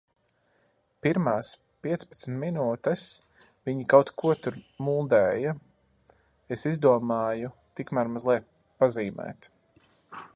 Pirmās piecpadsmit minūtes viņi kaut ko tur muldēja. Es izdomāju tikmēr mazliet pazīmēt.